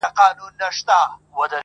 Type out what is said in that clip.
په رياضت کي ودې حد ته رسېدلی يمه,